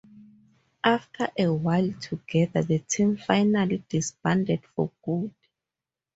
After a while together, the team finally disbanded for good.